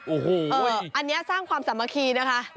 โอ้โหอันนี้สร้างความสามัคคีนะคะ